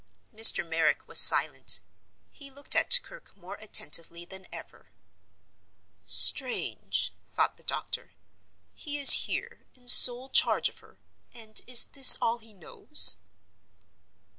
Mr. Merrick was silent. He looked at Kirke more attentively than ever. "Strange!" thought the doctor. "He is here, in sole charge of her—and is this all he knows?"